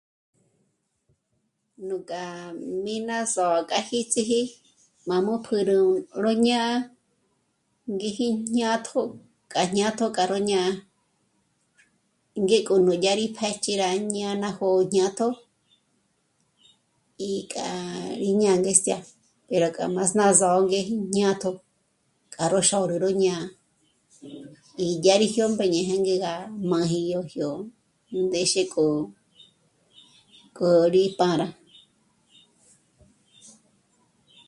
Nuk'a mí ná s'ó'o k'a jíts'iji má jmù'u pjǜrü ró ñá'a ngéji jñátjo kja ñátjo kja ró ñá'a, ngék'o núdya rí pjë́ch'i rá ñá'a ná jó'o jñátjo í k'a rí ñângestjya pero k'a más ná zó'o ngéji jñátjo k'a ro xórü ró ñá'a í dyá rí jyómbéñe je ngé gá má jíyo jyó ndéxe k'o... k'o rí pára